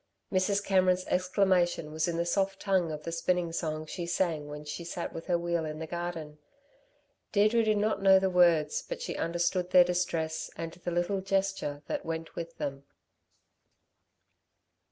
Mrs. Cameron's exclamation was in the soft tongue of the spinning song she sang when she sat with her wheel in the garden. Deirdre did not know the words, but she understood their distress and the little gesture that went with them.